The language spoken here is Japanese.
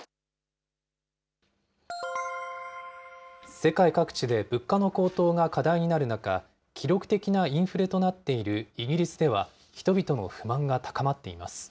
世界各地で物価の高騰が課題になる中、記録的なインフレとなっているイギリスでは、人々の不満が高まっています。